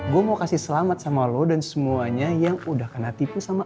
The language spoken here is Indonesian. gue mau kasih selamat sama lo dan semuanya yang udah kena tipu sama